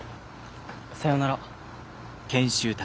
さよなら。